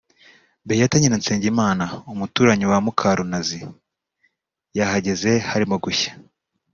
Beatha Nyiransengimana umuturanyi wa Mukarunazi yahageze harimo gushya